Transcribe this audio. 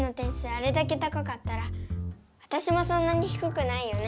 あれだけ高かったらわたしもそんなにひくくないよね。